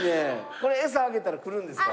これ餌あげたら来るんですか？